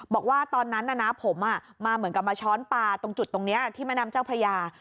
บอกว่าตอนนั้นน่ะนะผมมาเหมือนกับมาช้อนปลาตรงจุดตรงนี้ที่แม่น้ำเจ้าพระยา